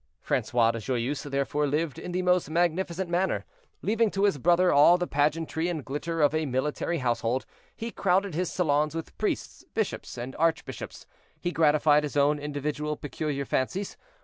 Francois de Joyeuse, therefore, lived in the most magnificent manner. Leaving to his brother all the pageantry and glitter of a military household, he crowded his salons with priests, bishops and archbishops; he gratified his own individual peculiar fancies.